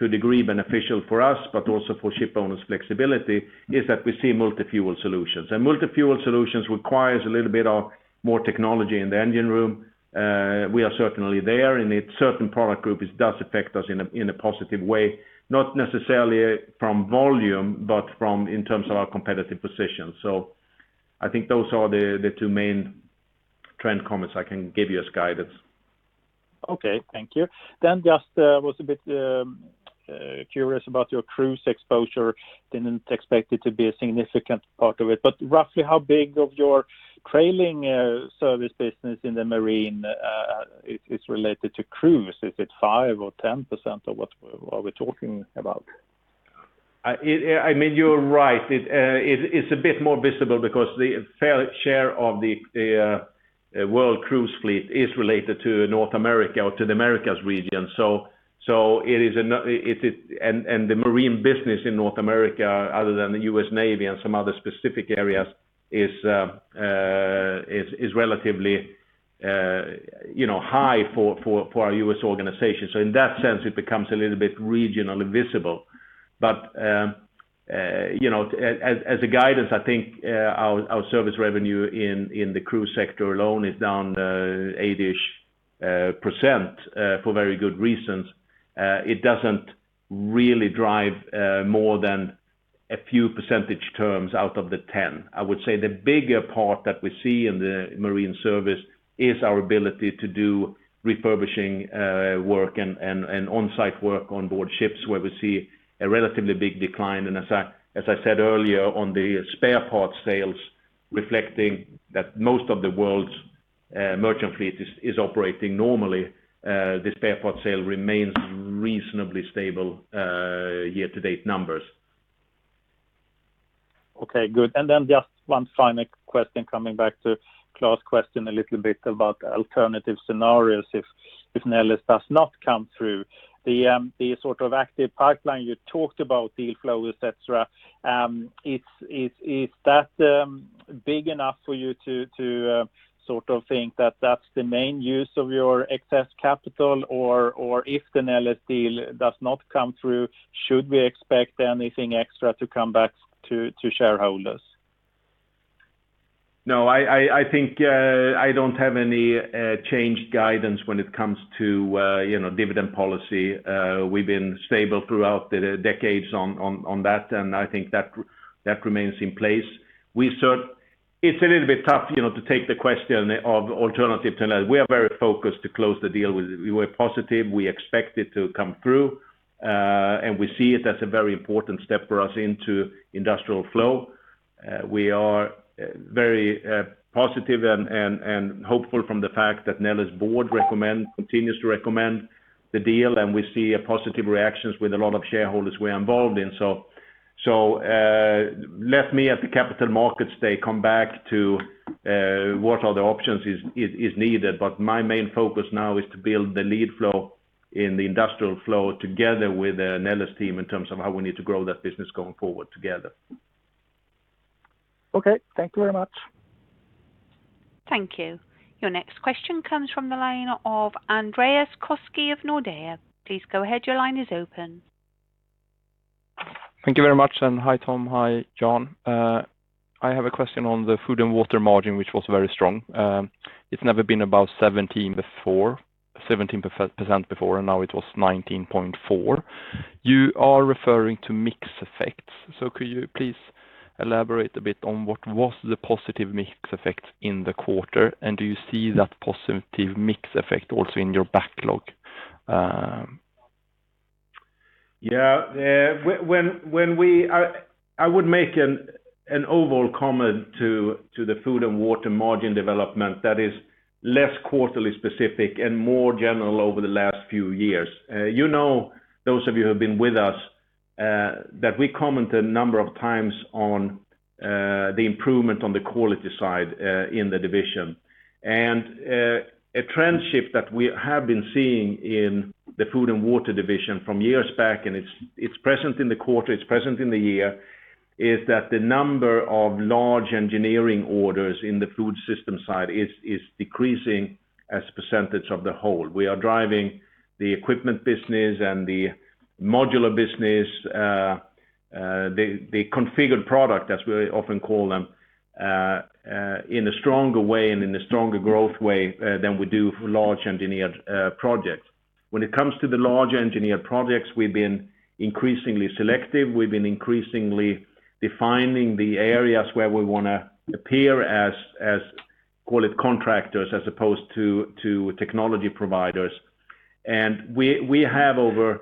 S1: to a degree beneficial for us, but also for shipowners flexibility, is that we see multi-fuel solutions. Multi-fuel solutions requires a little bit of more technology in the engine room. We are certainly there, and a certain product group, it does affect us in a positive way. Not necessarily from volume, but in terms of our competitive position. I think those are the two main trend comments I can give you as guidance.
S7: Okay, thank you. Just, I was a bit curious about your cruise exposure. Didn't expect it to be a significant part of it. Roughly how big of your trailing service business in the marine is related to cruise? Is it 5% or 10%, or what are we talking about?
S1: You're right. It's a bit more visible because the fair share of the world cruise fleet is related to North America or to the Americas region. The marine business in North America, other than the U.S. Navy and some other specific areas, is relatively high for our U.S. organization. In that sense, it becomes a little bit regionally visible. As a guidance, I think our service revenue in the cruise sector alone is down 80-ish% for very good reasons. It doesn't really drive more than a few percentage terms out of the 10. I would say the bigger part that we see in the marine service is our ability to do refurbishing work and on-site work onboard ships, where we see a relatively big decline. As I said earlier on the spare parts sales reflecting that most of the world's merchant fleet is operating normally, the spare parts sale remains reasonably stable year-to-date numbers.
S7: Okay, good. Then just one final question coming back to Klas' question a little bit about alternative scenarios if Neles does not come through. The sort of active pipeline you talked about, deal flow, et cetera, is that big enough for you to sort of think that that's the main use of your excess capital? If the Neles deal does not come through, should we expect anything extra to come back to shareholders?
S1: I think I don't have any changed guidance when it comes to dividend policy. We've been stable throughout the decades on that, and I think that remains in place. It's a little bit tough to take the question of alternative to Neles. We are very focused to close the deal. We're positive, we expect it to come through. We see it as a very important step for us into industrial flow. We are very positive and hopeful from the fact that Neles' board continues to recommend the deal, and we see positive reactions with a lot of shareholders we're involved in. Let me at the Capital Markets Day come back to what other options is needed. My main focus now is to build the lead flow in the industrial flow together with the Neles team in terms of how we need to grow that business going forward together.
S7: Okay, thank you very much.
S3: Thank you. Your next question comes from the line of Andreas Koski of Nordea. Please go ahead, your line is open.
S8: Thank you very much, and hi, Tom. Hi, Jan. I have a question on the food and water margin, which was very strong. It's never been above 17% before, and now it was 19.4%. You are referring to mix effects. Could you please elaborate a bit on what was the positive mix effects in the quarter, and do you see that positive mix effect also in your backlog?
S1: Yeah. I would make an overall comment to the food and water margin development that is less quarterly specific and more general over the last few years. Those of you who have been with us, that we commented a number of times on the improvement on the quality side in the division. A trend shift that we have been seeing in the Food & Water Division from years back, it's present in the quarter, it's present in the year, is that the number of large engineering orders in the food system side is decreasing as a % of the whole. We are driving the equipment business and the modular business, the configured product, as we often call them, in a stronger way and in a stronger growth way than we do for large engineered projects. When it comes to the large engineered projects, we've been increasingly selective. We've been increasingly defining the areas where we want to appear as quality contractors as opposed to technology providers. We have over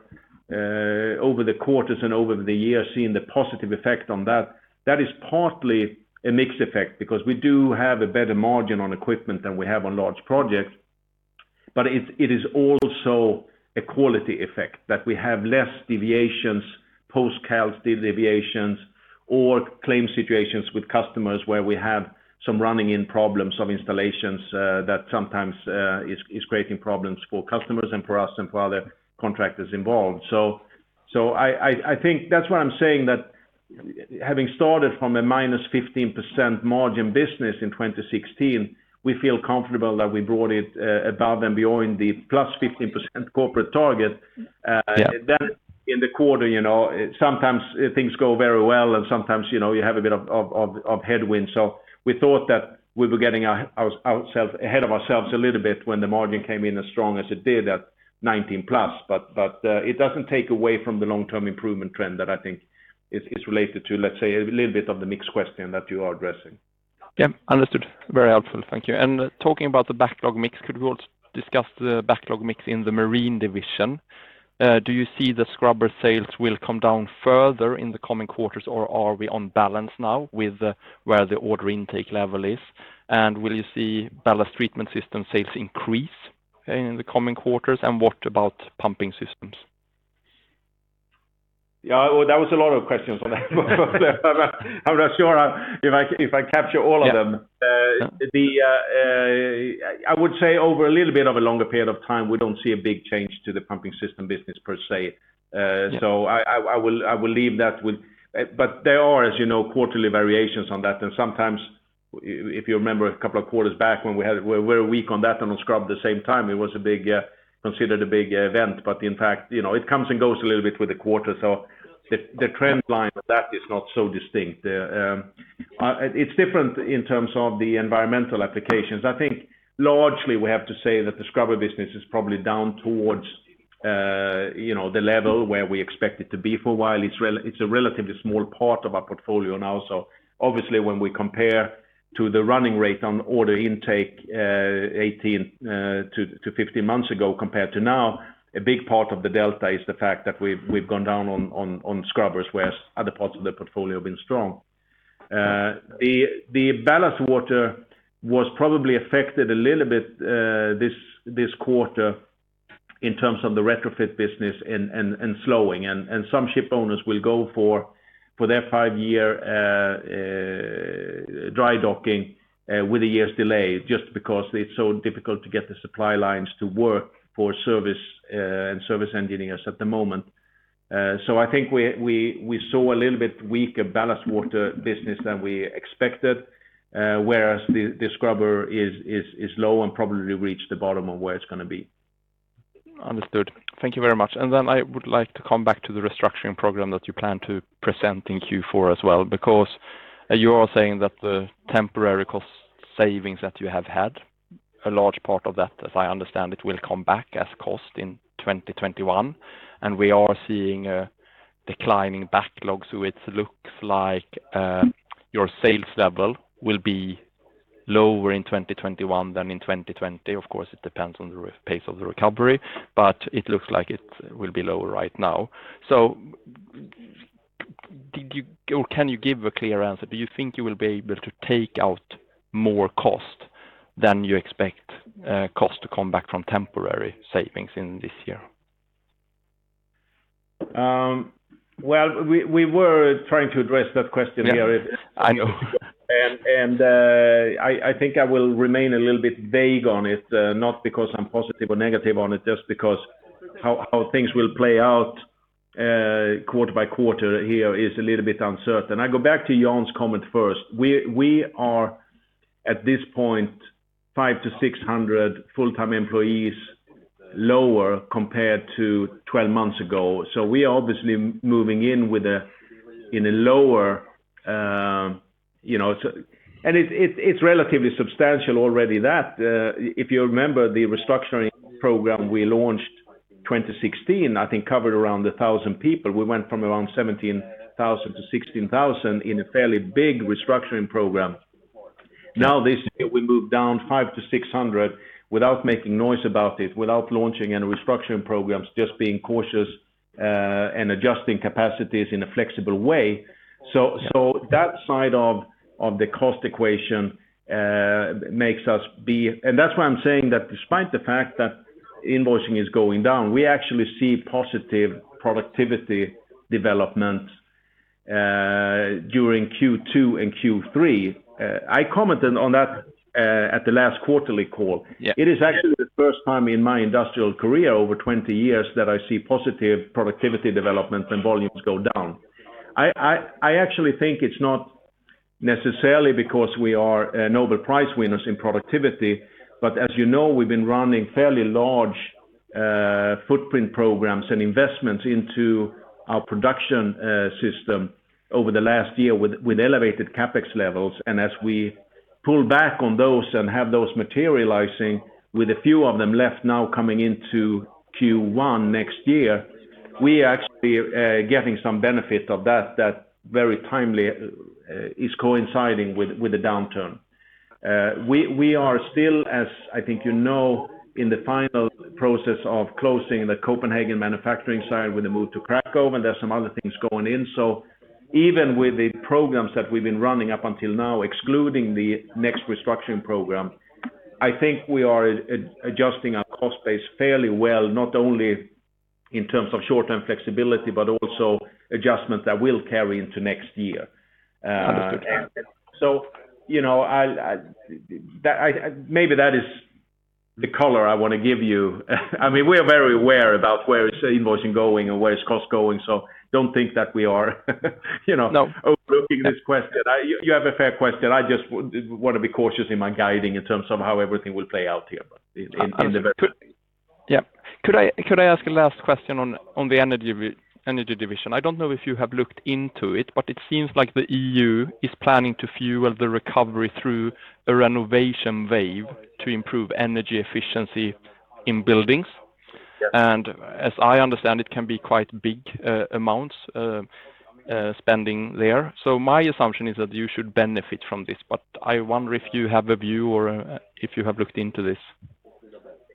S1: the quarters and over the years seen the positive effect on that. That is partly a mix effect because we do have a better margin on equipment than we have on large projects. But it is also a quality effect that we have less deviations post-cal deviations or claim situations with customers where we have some running in problems of installations that sometimes is creating problems for customers and for us and for other contractors involved. I think that's what I'm saying, that having started from a -15% margin business in 2016, we feel comfortable that we brought it above and beyond the +15% corporate target.
S8: Yeah.
S1: In the quarter, sometimes things go very well and sometimes you have a bit of headwind. We thought that we were getting ahead of ourselves a little bit when the margin came in as strong as it did at 19%+. It doesn't take away from the long-term improvement trend that I think is related to, let's say, a little bit of the mix question that you are addressing.
S8: Yeah, understood. Very helpful. Thank you. Talking about the backlog mix, could we also discuss the backlog mix in the Marine Division? Do you see the scrubber sales will come down further in the coming quarters, or are we on balance now with where the order intake level is? Will you see ballast treatment system sales increase in the coming quarters? What about pumping systems?
S1: Yeah, well, that was a lot of questions. I'm not sure if I capture all of them.
S8: Yeah.
S1: I would say over a little bit of a longer period of time, we don't see a big change to the pumping system business per se.
S8: Yeah.
S1: There are, as you know, quarterly variations on that. Sometimes, if you remember a couple of quarters back when we were weak on that and on scrubber the same time, it was considered a big event, but in fact, it comes and goes a little bit with the quarter, so the trend line of that is not so distinct. It's different in terms of the environmental applications. I think largely we have to say that the scrubber business is probably down towards the level where we expect it to be for a while. It's a relatively small part of our portfolio now, so obviously when we compare to the running rate on order intake to 15 months ago compared to now, a big part of the delta is the fact that we've gone down on scrubbers, whereas other parts of the portfolio have been strong. The ballast water was probably affected a little bit this quarter in terms of the retrofit business and slowing. Some ship owners will go for their five-year dry docking with a year's delay just because it's so difficult to get the supply lines to work for service and service engineers at the moment. I think we saw a little bit weaker ballast water business than we expected, whereas the scrubber is low and probably reached the bottom of where it's going to be.
S8: Understood. Thank you very much. I would like to come back to the restructuring program that you plan to present in Q4 as well, because you are saying that the temporary cost savings that you have had, a large part of that, as I understand it, will come back as cost in 2021. We are seeing a declining backlog, so it looks like your sales level will be lower in 2021 than in 2020. Of course, it depends on the pace of the recovery, but it looks like it will be lower right now. Can you give a clear answer? Do you think you will be able to take out more cost than you expect cost to come back from temporary savings in this year?
S1: Well, we were trying to address that question here.
S8: Yeah, I know.
S1: I think I will remain a little bit vague on it, not because I am positive or negative on it, just because how things will play out quarter by quarter here is a little bit uncertain. I go back to Jan's comment first. We are, at this point, 500-600 full-time employees lower compared to 12 months ago. It is relatively substantial already that, if you remember the restructuring program we launched 2016, I think covered around 1,000 people. We went from around 17,000-16,000 in a fairly big restructuring program. This year, we moved down 500-600 without making noise about it, without launching any restructuring programs, just being cautious and adjusting capacities in a flexible way. That side of the cost equation, that's why I'm saying that despite the fact that invoicing is going down, we actually see positive productivity development during Q2 and Q3. I commented on that at the last quarterly call.
S8: Yeah.
S1: It is actually the first time in my industrial career over 20 years that I see positive productivity development and volumes go down. I actually think it's not necessarily because we are Nobel Prize winners in productivity, but as you know, we've been running fairly large footprint programs and investments into our production system over the last year with elevated CapEx levels. As we pull back on those and have those materializing with a few of them left now coming into Q1 next year, we are actually getting some benefit of that very timely is coinciding with the downturn. We are still, as I think you know, in the final process of closing the Copenhagen manufacturing site with a move to Krakow, and there's some other things going in. Even with the programs that we've been running up until now, excluding the next restructuring program I think we are adjusting our cost base fairly well, not only in terms of short-term flexibility, but also adjustments that will carry into next year.
S8: Understood.
S1: Maybe that is the color I want to give you. We are very aware about where is invoicing going and where is cost going, so don't think that we are overlooking this question.
S8: No.
S1: You have a fair question. I just want to be cautious in my guiding in terms of how everything will play out here.
S8: Understood. Yeah. Could I ask a last question on the Energy Division? I don't know if you have looked into it, but it seems like the EU is planning to fuel the recovery through a Renovation Wave to improve energy efficiency in buildings.
S1: Yes.
S8: As I understand, it can be quite big amounts spending there. My assumption is that you should benefit from this, but I wonder if you have a view or if you have looked into this.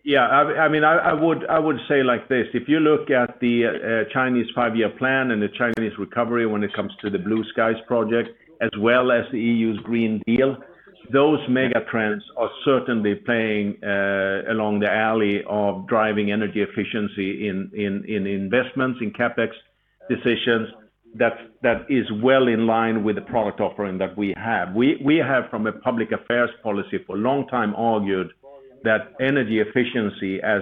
S1: Yeah. I would say it like this, if you look at the Chinese five-year plan and the Chinese recovery when it comes to the Blue Skies project, as well as the European Green Deal, those mega trends are certainly playing along the alley of driving energy efficiency in investments, in CapEx decisions, that is well in line with the product offering that we have. We have, from a public affairs policy for a long time, argued that energy efficiency as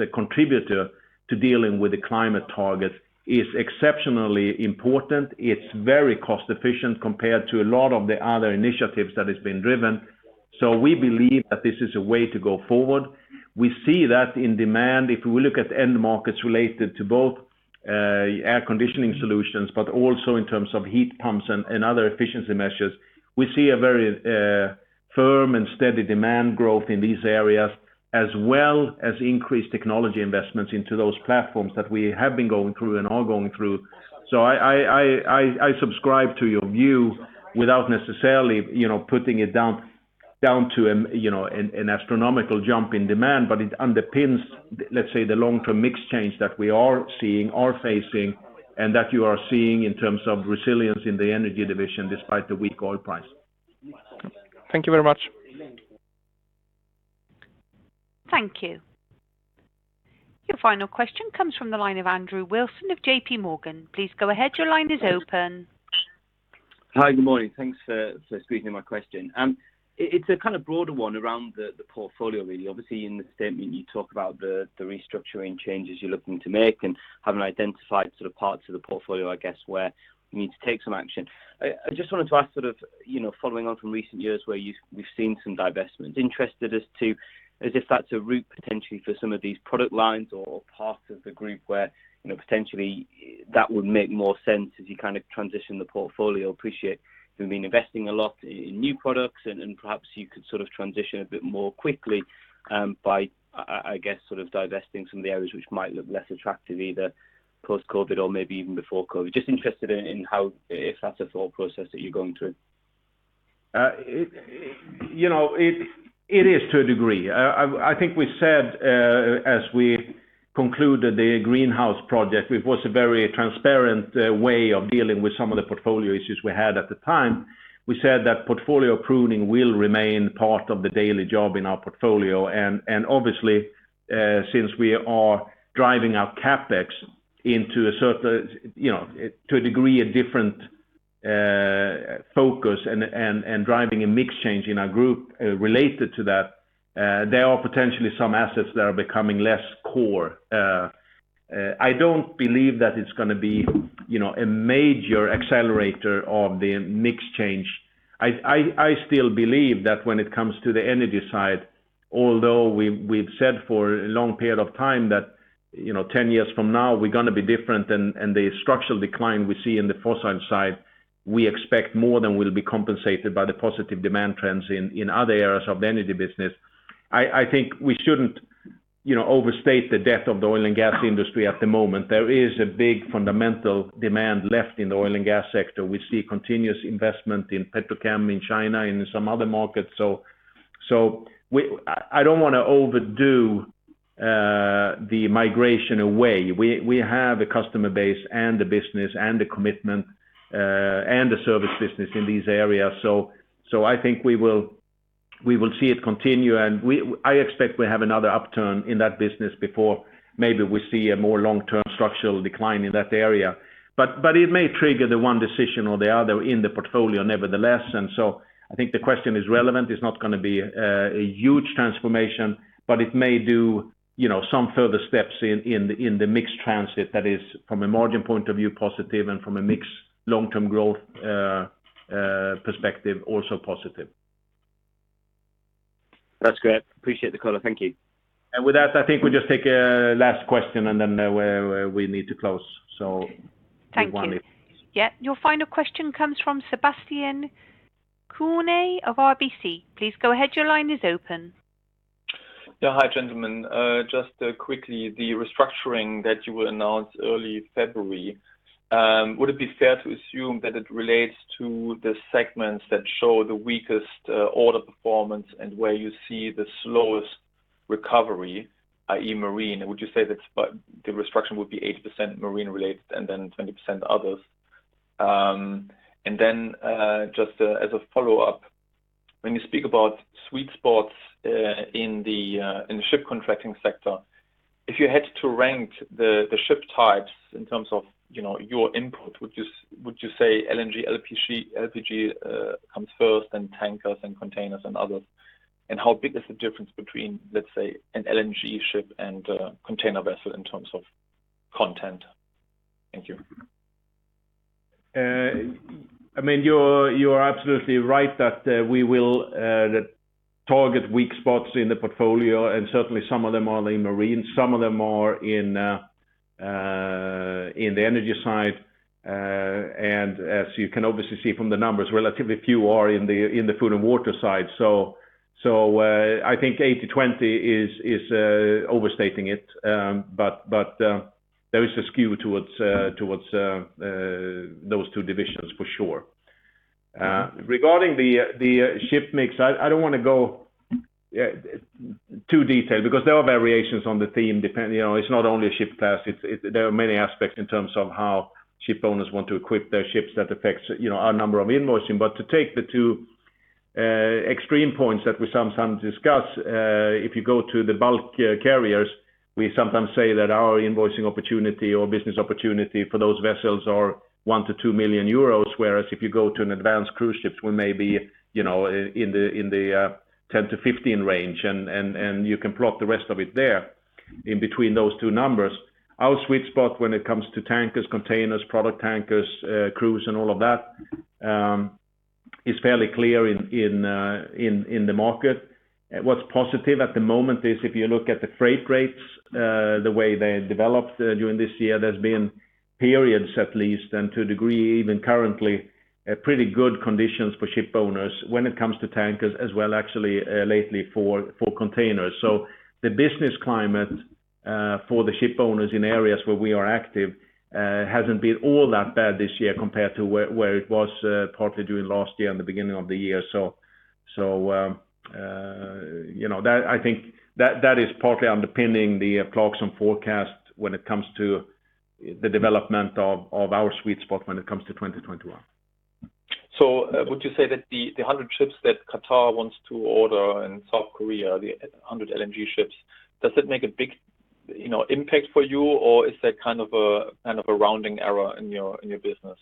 S1: a contributor to dealing with the climate targets is exceptionally important. It's very cost-efficient compared to a lot of the other initiatives that has been driven. We believe that this is a way to go forward. We see that in demand, if we look at end markets related to both air conditioning solutions, but also in terms of heat pumps and other efficiency measures, we see a very firm and steady demand growth in these areas, as well as increased technology investments into those platforms that we have been going through and are going through. I subscribe to your view without necessarily putting it down to an astronomical jump in demand, but it underpins, let's say, the long-term mix change that we are seeing, are facing, and that you are seeing in terms of resilience in the Energy Division, despite the weak oil price.
S8: Thank you very much.
S3: Thank you. Your final question comes from the line of Andrew Wilson of JPMorgan. Please go ahead, your line is open.
S9: Hi, good morning. Thanks for squeezing in my question. It's a kind of broader one around the portfolio really. Obviously, in the statement you talk about the restructuring changes you're looking to make and having identified parts of the portfolio, I guess, where you need to take some action. I just wanted to ask, following on from recent years where we've seen some divestments, interested as to if that's a route, potentially, for some of these product lines or parts of the group where potentially that would make more sense as you transition the portfolio. Appreciate you've been investing a lot in new products, and perhaps you could transition a bit more quickly by, I guess, divesting some of the areas which might look less attractive either post-COVID or maybe even before COVID. Just interested in how, if that's a thought process that you're going through.
S1: It is to a degree. I think we said as we concluded the Greenhouse project, it was a very transparent way of dealing with some of the portfolio issues we had at the time. We said that portfolio pruning will remain part of the daily job in our portfolio, and obviously since we are driving our CapEx into a degree, a different focus, and driving a mix change in our group related to that, there are potentially some assets that are becoming less core. I don't believe that it's going to be a major accelerator of the mix change. I still believe that when it comes to the energy side, although we've said for a long period of time that 10 years from now we're going to be different and the structural decline we see in the fossil side, we expect more than will be compensated by the positive demand trends in other areas of the energy business. I think we shouldn't overstate the death of the oil and gas industry at the moment. There is a big fundamental demand left in the oil and gas sector. We see continuous investment in petrochem in China and in some other markets. I don't want to overdo the migration away. We have a customer base and the business and the commitment and the service business in these areas. I think we will see it continue, and I expect we'll have another upturn in that business before maybe we see a more long-term structural decline in that area. It may trigger the one decision or the other in the portfolio nevertheless, and so I think the question is relevant. It's not going to be a huge transformation, but it may do some further steps in the mix transit that is from a margin point of view positive, and from a mix long-term growth perspective, also positive.
S9: That's great. Appreciate the color. Thank you.
S1: With that, I think we just take a last question and then we need to close.
S3: Thank you.
S1: One...
S3: Yeah. Your final question comes from Sebastian Kuenne of RBC. Please go ahead, your line is open.
S10: Yeah. Hi, gentlemen. Just quickly, the restructuring that you will announce early February, would it be fair to assume that it relates to the segments that show the weakest order performance and where you see the slowest recovery, i.e. Marine? Would you say that the restructuring would be 80% Marine-related and then 20% others? Then just as a follow-up, when you speak about sweet spots in the ship contracting sector, if you had to rank the ship types in terms of your input, would you say LNG, LPG comes first, then tankers and containers and others? How big is the difference between, let's say, an LNG ship and a container vessel in terms of content? Thank you.
S1: You're absolutely right that we will target weak spots in the portfolio, and certainly some of them are in Marine, some of them are in the Energy side. As you can obviously see from the numbers, relatively few are in the Food & Water side. I think 80/20 is overstating it. There is a skew towards those two divisions, for sure. Regarding the ship mix, I don't want to go too detailed because there are variations on the theme, depending. It's not only a ship class, there are many aspects in terms of how ship owners want to equip their ships that affects our number of invoicing. To take the two extreme points that we sometimes discuss, if you go to the bulk carriers, we sometimes say that our invoicing opportunity or business opportunity for those vessels are 1 million-2 million euros. Whereas if you go to an advanced cruise ships, we may be in the 10-15 range, and you can plot the rest of it there in between those two numbers. Our sweet spot when it comes to tankers, containers, product tankers, cruise, and all of that, is fairly clear in the market. What's positive at the moment is if you look at the freight rates, the way they developed during this year, there's been periods at least, and to a degree even currently, pretty good conditions for ship owners when it comes to tankers as well, actually lately for containers. The business climate for the ship owners in areas where we are active hasn't been all that bad this year compared to where it was partly during last year and the beginning of the year. I think that is partly underpinning the Clarksons forecast when it comes to the development of our sweet spot when it comes to 2021.
S10: Would you say that the 100 ships that Qatar wants to order in South Korea, the 100 LNG ships, does it make a big impact for you or is that a kind of a rounding error in your business?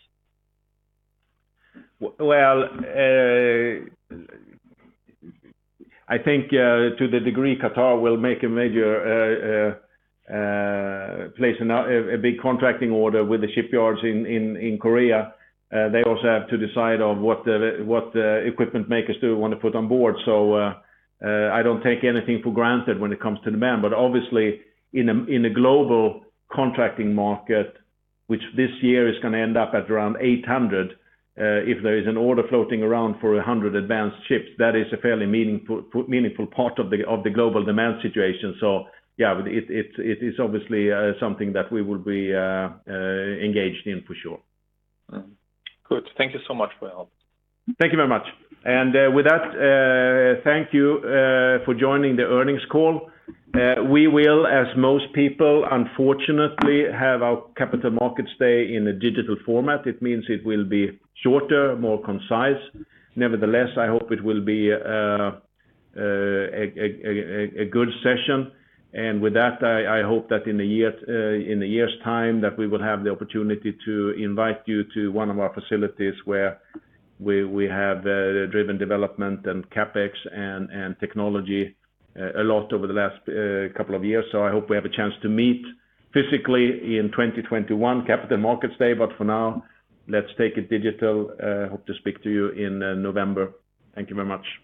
S1: Well, I think to the degree Qatar will make a major place, a big contracting order with the shipyards in Korea. They also have to decide on what the equipment makers do want to put on board. I don't take anything for granted when it comes to demand, but obviously in a global contracting market, which this year is going to end up at around 800, if there is an order floating around for 100 advanced ships, that is a fairly meaningful part of the global demand situation. Yeah, it's obviously something that we will be engaged in for sure.
S10: Good. Thank you so much for your help.
S1: Thank you very much. With that, thank you for joining the earnings call. We will, as most people, unfortunately, have our Capital Markets Day in a digital format. It means it will be shorter, more concise. Nevertheless, I hope it will be a good session. With that, I hope that in a year's time, that we will have the opportunity to invite you to one of our facilities where we have driven development and CapEx and technology a lot over the last couple of years. I hope we have a chance to meet physically in 2021 Capital Markets Day, for now, let's take it digital. Hope to speak to you in November. Thank you very much.